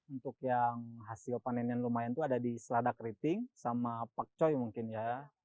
untuk yang hasil panennya lumayan itu ada di seladak riting sama pakcoy mungkin ya